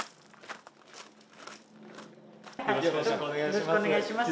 よろしくお願いします。